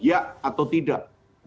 ya atau tidak